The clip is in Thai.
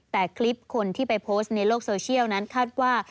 แต่คลิปคนที่ไปโพสต์ในโลกโซเชียลนั้นคาดว่า